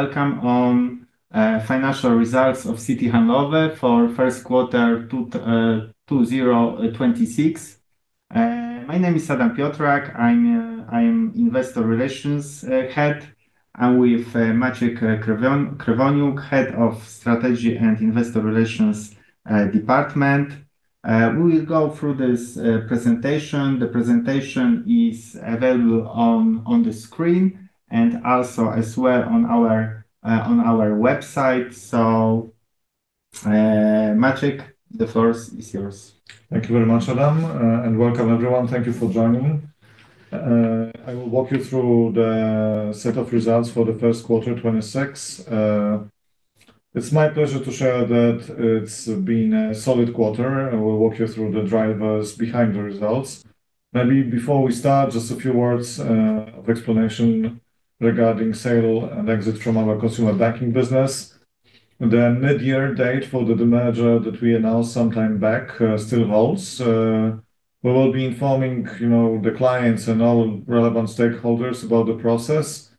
Welcome on financial results of Citi Handlowy for first quarter 2026. My name is Adam Piotrak. I'm Investor Relations Head. I'm with Maciej Krywoniuk, Head of Strategy and Investor Relations Department. We will go through this presentation. The presentation is available on the screen, and also as well on our website. Maciej, the floor is yours. Thank you very much, Adam. And welcome everyone. Thank you for joining. I will walk you through the set of results for the first quarter 2026. It's my pleasure to share that it's been a solid quarter, and we'll walk you through the drivers behind the results. Maybe before we start, just a few words of explanation regarding sale and exit from our Consumer Banking business. The mid-year date for the demerger that we announced some time back still holds. We will be informing, you know, the clients and all relevant stakeholders about the process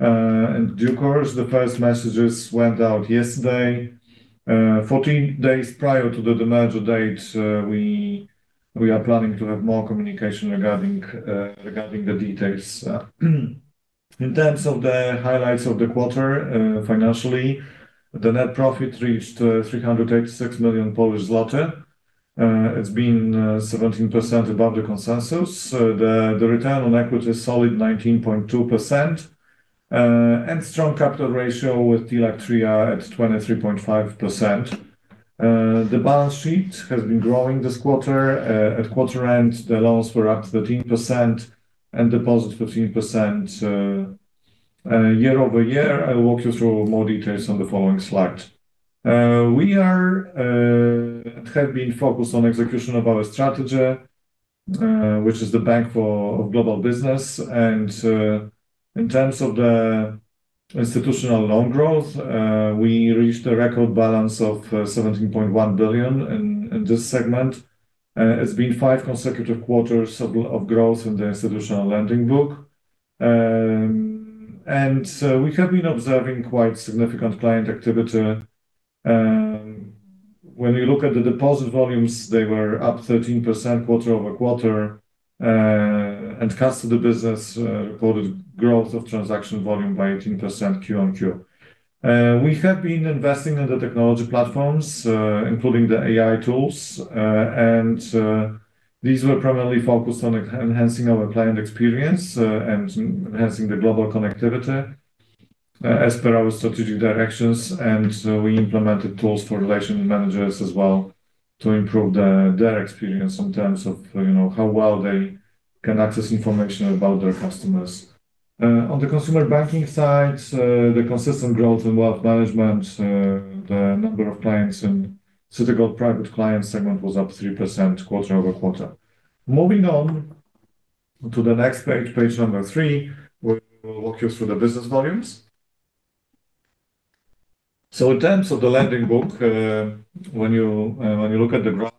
in due course. The first messages went out yesterday. 14-days prior to the demerger date, we are planning to have more communication regarding the details. In terms of the highlights of the quarter, financially, the net profit reached 386 million Polish zloty. It's been 17% above the consensus. The return on equity is solid 19.2%. Strong capital ratio with TLAC TREA at 23.5%. The balance sheet has been growing this quarter. At quarter end, the loans were up 13% and deposits 15% year-over-year. I will walk you through more details on the following slides. We have been focused on execution of our strategy, which is the bank for global business. In terms of the institutional loan growth, we reached a record balance of 17.1 billion in this segment. It's been five consecutive quarters of growth in the institutional lending book. We have been observing quite significant client activity. When you look at the deposit volumes, they were up 13% quarter-over-quarter. Custody business reported growth of transaction volume by 18% QoQ. We have been investing in the technology platforms, including the AI tools. These were primarily focused on enhancing our client experience, and enhancing the global connectivity, as per our strategic directions. We implemented tools for relationship managers as well to improve their experience in terms of, you know, how well they can access information about their customers. On the Consumer Banking side, the consistent growth in Wealth Management, the number of clients in Citigold Private Client segment was up 3% quarter-over-quarter. Moving on to the next page number three, we will walk you through the business volumes. In terms of the lending book, when you look at the graph,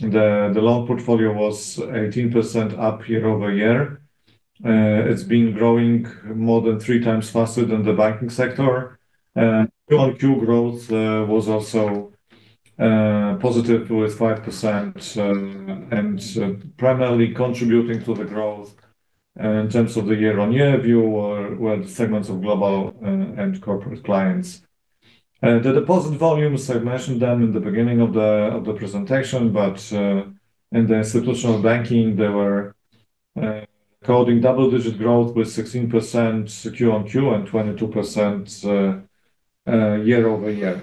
the Loan portfolio was 18% up year-over-year. It's been growing more than 3x faster than the banking sector. QoQ growth was also positive with 5%, and primarily contributing to the growth in terms of the year-on-year view were the segments of global and corporate clients. The deposit volumes, I mentioned them in the beginning of the, of the presentation, but in the Institutional Banking, they were recording double-digit growth with 16% QoQ and 22% year-over-year.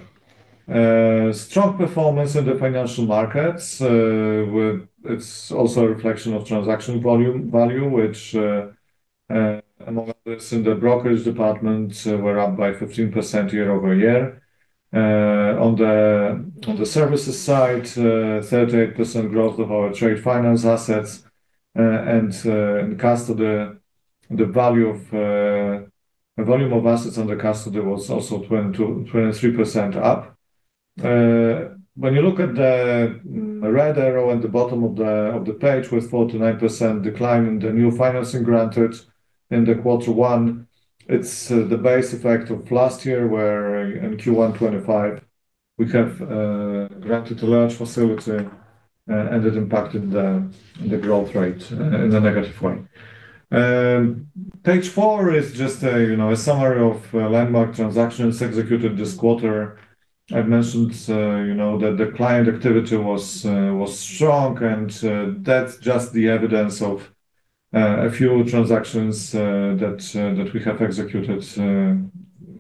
Strong performance in the financial markets, It's also a reflection of transaction volume, value, which among others in the brokerage department, were up by 15% year-over-year. On the, on the Services side, 38% growth of our trade finance assets. And in Custody, the value of the volume of assets under Custody was also 22%, 23% up. When you look at the red arrow at the bottom of the page, with 49% decline in the new financing granted in the quarter one, it's the base effect of last year, where in Q1 2025 we have granted a large facility, and it impacted the growth rate in a negative way. Page four is just a, you know, a summary of landmark transactions executed this quarter. I've mentioned, you know, that the client activity was strong and that's just the evidence of a few transactions that we have executed,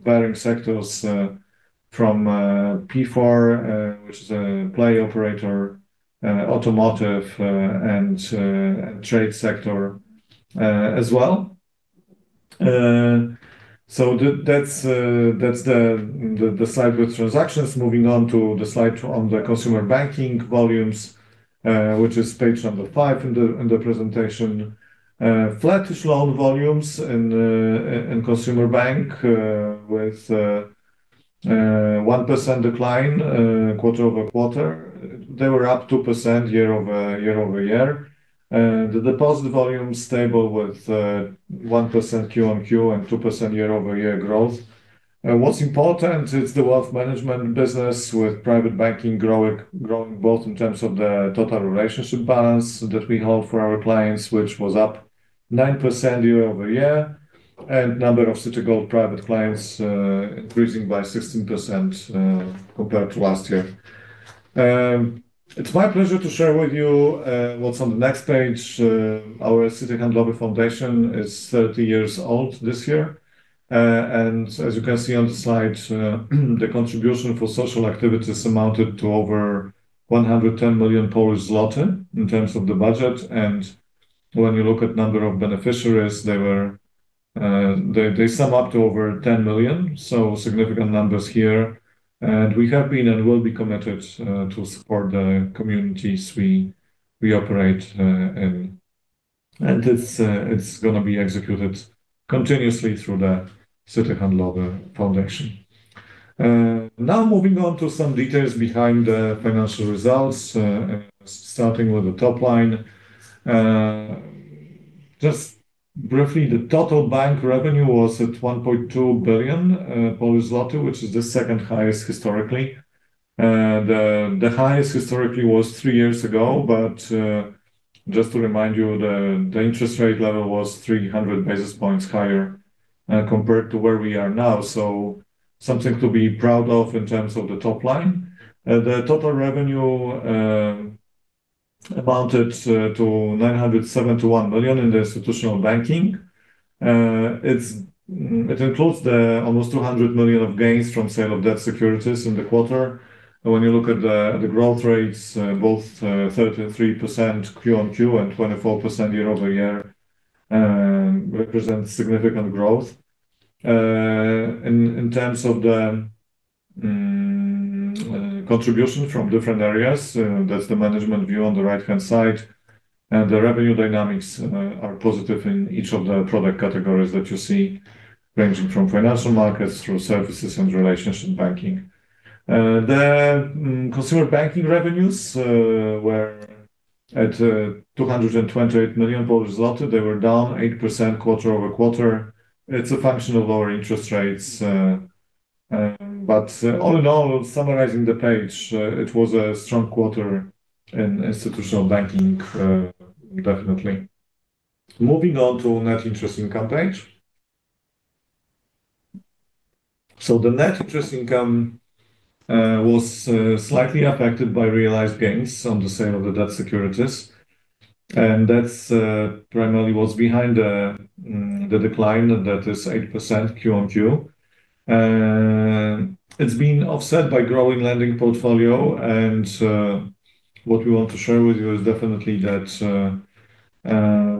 varying sectors from P4, which is a Play operator, automotive, and trade sector as well. That's the slide with transactions. Moving on to the slide on the Consumer Banking volumes, which is page number five in the presentation. Flattish loan volumes in consumer bank with 1% decline quarter-over-quarter. They were up 2% year-over-year. The deposit volume stable with 1% QoQ and 2% year-over-year growth. What's important is the Wealth Management business with private banking growing both in terms of the total relationship balance that we hold for our clients, which was up 9% year-over-year, and number of Citigold Private Clients increasing by 16% compared to last year. It's my pleasure to share with you what's on the next page. Our Citi Handlowy Foundation is 30 years old this year. As you can see on the slide, the contribution for social activities amounted to over 110 million Polish zloty in terms of the budget. When you look at number of beneficiaries, they sum up to over 10 million, so significant numbers here. We have been and will be committed to support the communities we operate in. It's gonna be executed continuously through the Citi Handlowy Foundation. Now moving on to some details behind the financial results, starting with the top line. Just briefly, the total bank revenue was at 1.2 billion Polish zloty, which is the second-highest historically. The highest historically was three years ago. Just to remind you, the interest rate level was 300 basis points higher compared to where we are now. Something to be proud of in terms of the top line. The total revenue amounted to 971 million in the Institutional Banking. It includes the almost 200 million of gains from sale of debt securities in the quarter. When you look at the growth rates, both 33% QoQ and 24% year-over-year, represents significant growth. In terms of the contribution from different areas, that's the management view on the right-hand side. The revenue dynamics are positive in each of the product categories that you see, ranging from financial markets through services and relationship banking. The Consumer Banking revenues were at PLN 228 million. They were down 8% quarter-over-quarter. It's a function of lower interest rates. All in all, summarizing the page, it was a strong quarter in Institutional Banking, definitely. Moving on to net interest income page. So the next interest income was slightly affected by realized gains on the sale of the debt securities, and that's primarily what's behind the decline that is 8% QoQ. It's been offset by growing lending portfolio. What we want to share with you is definitely that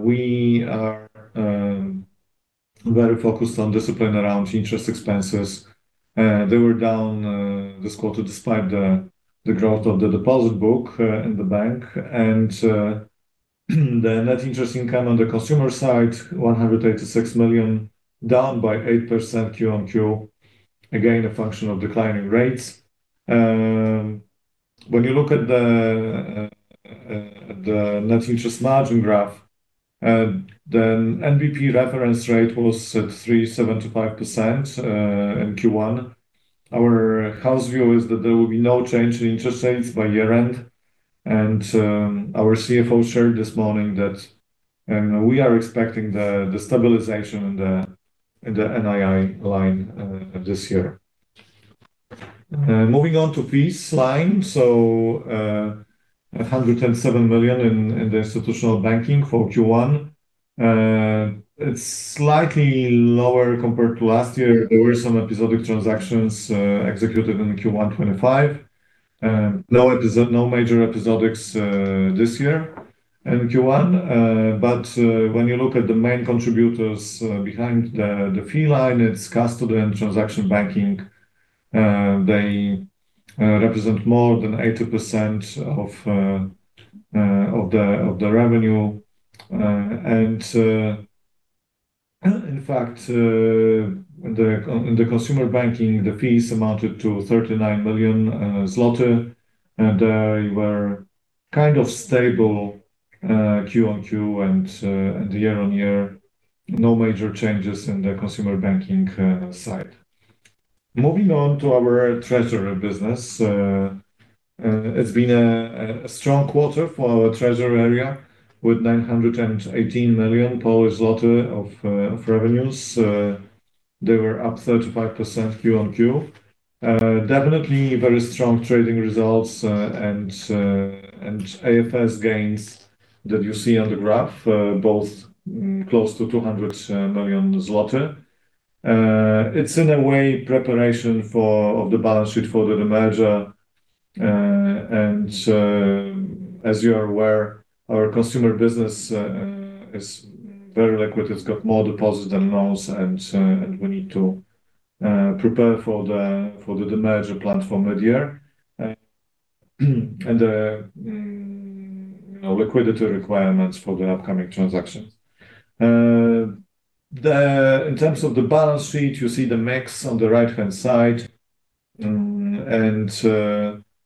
we are very focused on discipline around interest expenses. They were down this quarter despite the growth of the deposit book in the bank. The net interest income on the Consumer side, 186 million, down by 8% QoQ. Again, a function of declining rates. When you look at the net interest margin graph, the NBP reference rate was at 3.75% in Q1. Our house view is that there will be no change in interest rates by year-end. Our CFO shared this morning that we are expecting the stabilization in the NII line this year. Moving on to fees line. 107 million in the Institutional Banking for Q1. It's slightly lower compared to last year. There were some episodic transactions executed in Q1 2025. No major episodics this year in Q1. When you look at the main contributors behind the fee line, it's Custody and Transaction Banking. They represent more than 80% of the revenue. In fact, the Consumer Banking, the fees amounted to 39 million zloty. They were kind of stable QoQ and year-on-year. No major changes in the Consumer Banking side. Moving on to our Treasury business. It's been a strong quarter for our Treasury area with 918 million of revenues. They were up 35% QoQ. Definitely very strong trading results and AFS gains that you see on the graph, both close to 200 million zloty. It's in a way preparation of the balance sheet for the demerger. As you are aware, our Consumer business is very liquid. It's got more deposits than loans, we need to prepare for the demerger planned for mid-year. You know, liquidity requirements for the upcoming transactions. In terms of the balance sheet, you see the mix on the right-hand side.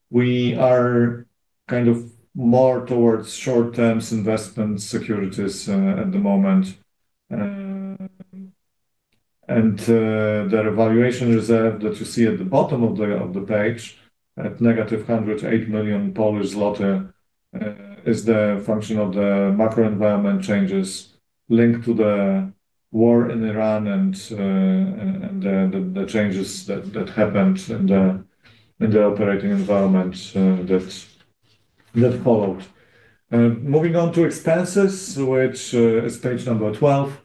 We are kind of more towards short terms investment securities at the moment. The revaluation reserve that you see at the bottom of the page at -108 million Polish zloty is the function of the macro environment changes linked to the war in Ukraine and the changes that happened in the operating environment that followed. Moving on to expenses, which is page number 12.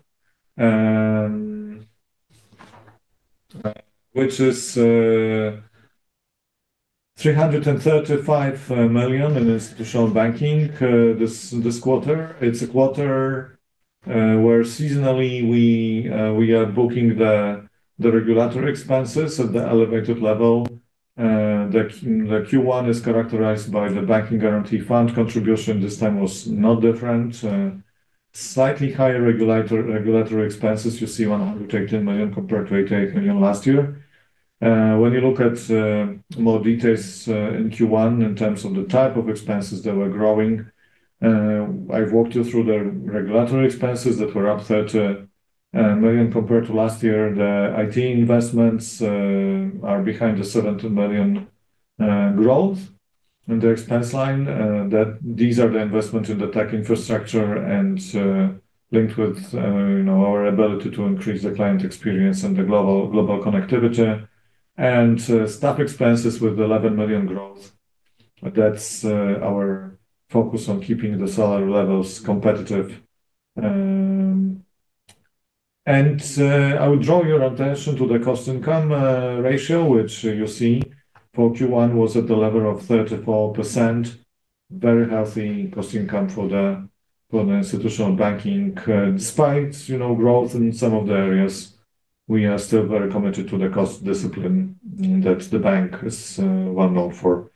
335 million in Institutional Banking this quarter. It's a quarter where seasonally we are booking the regulatory expenses at the elevated level. The Q1 is characterized by the banking guarantee fund contribution this time was no different. Slightly higher regulatory expenses. You see 110 million compared to 88 million last year. When you look at more details in Q1 in terms of the type of expenses that were growing, I've walked you through the regulatory expenses that were up 30 million compared to last year. The IT investments are behind the 17 million growth in the expense line, that these are the investments in the tech infrastructure and linked with, you know, our ability to increase the client experience and the global connectivity. Staff expenses with 11 million growth. That's our focus on keeping the salary levels competitive. I would draw your attention to the cost income ratio, which you see for Q1 was at the level of 34%. Very healthy cost income for the Institutional Banking. Despite, you know, growth in some of the areas, we are still very committed to the cost discipline that the bank is well-known for.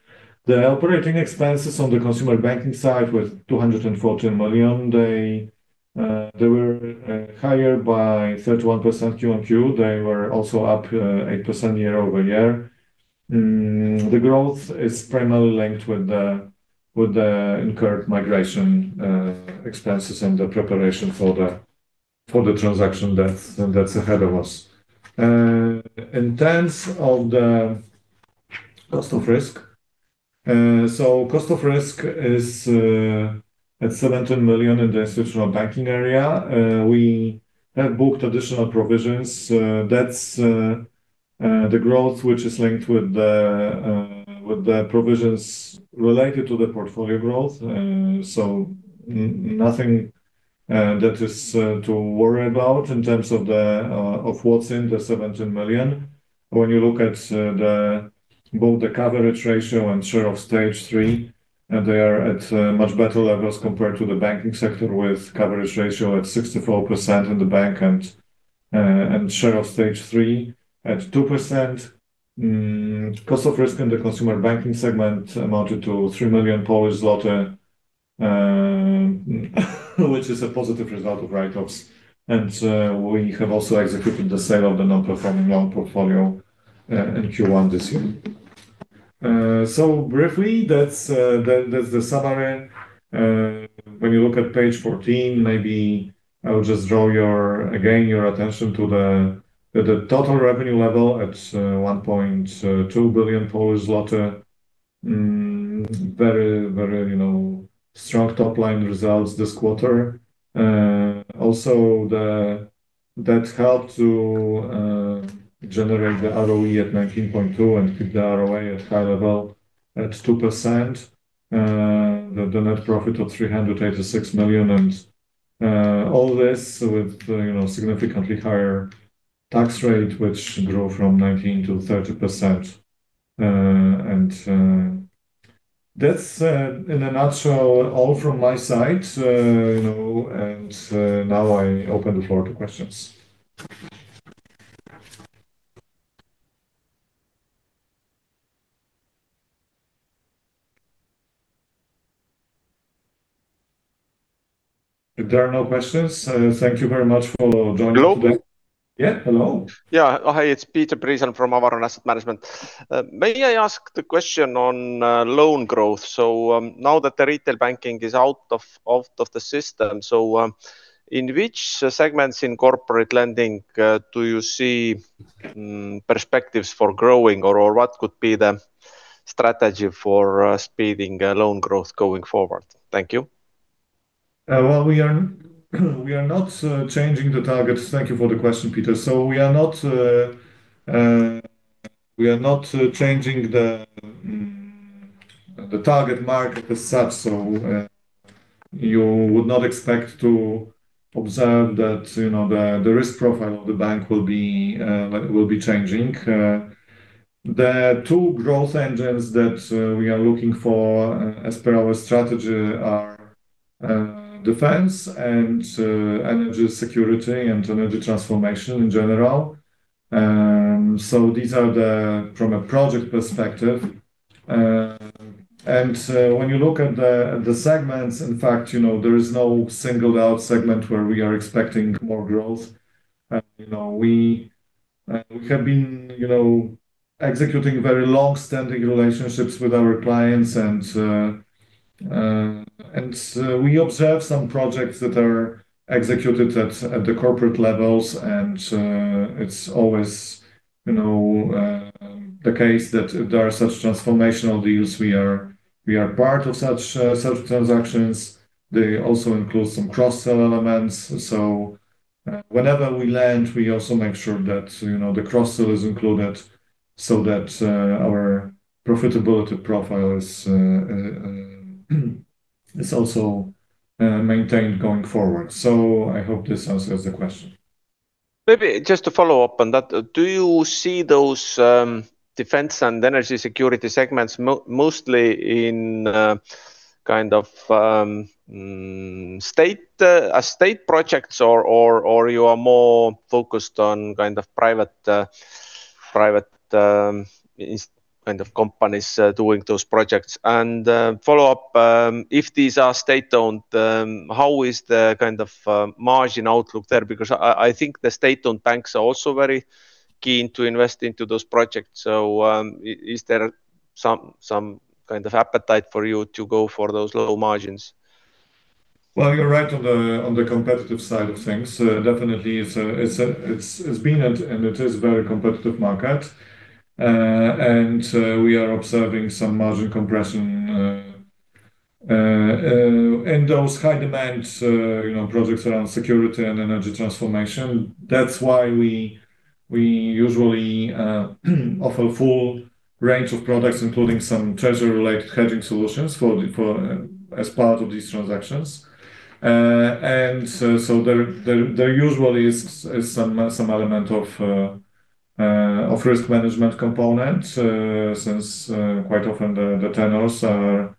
The operating expenses on the Consumer Banking side was 214 million. They were higher by 31% QoQ. They were also up 8% year-over-year. The growth is primarily linked with the incurred migration expenses and the preparation for the transaction that's ahead of us. In terms of the cost of risk, cost of risk is at 17 million in the Institutional Banking area. We have booked additional provisions. That's the growth which is linked with the provisions related to the portfolio growth. Nothing that is to worry about in terms of what's in the 17 million. When you look at both the coverage ratio and share of stage 3, they are at much better levels compared to the banking sector, with coverage ratio at 64% in the bank and share of stage 3 at 2%. Cost of risk in the Consumer Banking segment amounted to 3 million Polish zloty, which is a positive result of write-offs. We have also executed the sale of the non-performing loan portfolio in Q1 this year. Briefly, that's the summary. When you look at page 14, maybe I would just draw your, again, your attention to the total revenue level at 1.2 billion. Very, you know, strong top line results this quarter. Also that helped to generate the ROE at 19.2% and keep the ROA at high level at 2%. The net profit of 386 million and all this with, you know, significantly higher tax rate, which grew from 19%-30%. That's in a nutshell all from my side, you know, now I open the floor to questions. If there are no questions, thank you very much for joining today. Hello? Yeah, hello. Yeah. Hi, it's [Peter Priisalm from Avaron Management]. May I ask the question on loan growth? Now that the retail banking is out of the system, in which segments in corporate lending do you see perspectives for growing or what could be the strategy for speeding loan growth going forward? Thank you. We are not changing the targets. Thank you for the question, Peter. We are not changing the target market as such, you would not expect to observe that, you know, the risk profile of the bank will be changing. The two growth engines that we are looking for as per our strategy are defense and energy security and energy transformation in general. These are the, from a project perspective. When you look at the segments, in fact, you know, there is no singled-out segment where we are expecting more growth. You know, we have been, you know, executing very long-standing relationships with our clients and we observe some projects that are executed at the corporate levels. It's always, you know, the case that there are such transformational deals. We are part of such transactions. They also include some cross-sell elements. Whenever we land, we also make sure that, you know, the cross-sell is included so that our profitability profile is also maintained going forward. I hope this answers the question. Maybe just to follow up on that, do you see those defense and energy security segments mostly in kind of state projects or you are more focused on kind of private companies doing those projects? Follow-up, if these are state-owned, how is the kind of margin outlook there? Because I think the state-owned banks are also very keen to invest into those projects. Is there some kind of appetite for you to go for those low margins? Well, you're right on the, on the competitive side of things. Definitely it's been and it is a very competitive market. We are observing some margin compression in those high-demand, you know, projects around security and energy transformation. That's why we usually offer full range of products, including some treasury-related hedging solutions for as part of these transactions. So there usually is some element of risk management component, since quite often the tenures are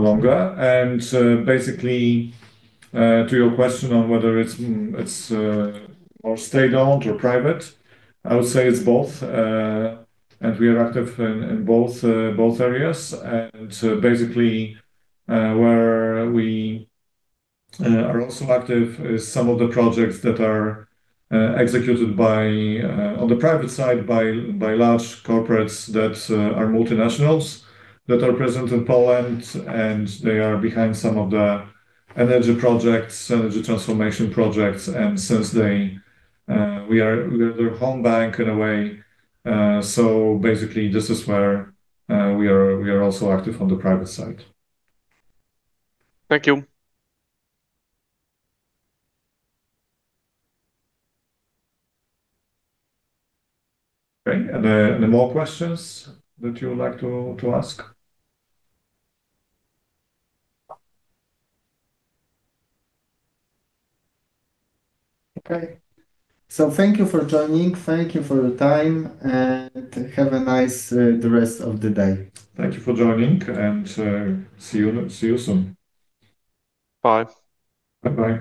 longer. Basically, to your question on whether it's more state-owned or private, I would say it's both. We are active in both areas. Basically, where we are also active is some of the projects that are executed on the private side by large corporates that are multinationals that are present in Poland, and they are behind some of the energy projects, energy transformation projects. Since they, we are their home bank in a way, so basically this is where we are also active on the private side. Thank you. Okay. Are there any more questions that you would like to ask? Okay. Thank you for joining. Thank you for your time, and have a nice, the rest of the day. Thank you for joining, and see you soon. Bye. Bye-bye.